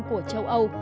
của châu âu